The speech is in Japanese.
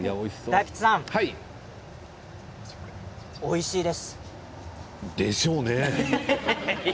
大吉さん、おいしいです。でしょうね。